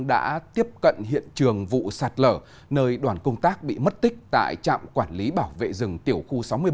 đã tiếp cận hiện trường vụ sạt lở nơi đoàn công tác bị mất tích tại trạm quản lý bảo vệ rừng tiểu khu sáu mươi bảy